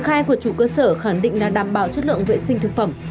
của hai của chủ cơ sở khẳng định là đảm bảo chất lượng vệ sinh thực phẩm